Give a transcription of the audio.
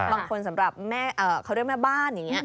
สำหรับเขาเรียกแม่บ้านอย่างนี้